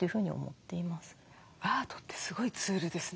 アートってすごいツールですね。